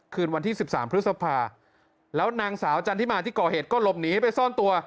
คืนวันที่๑๓พฤษภาแล้วนางสาวจันทิมาที่ก่อเหตุก็หลบหนีไปซ่อนตัว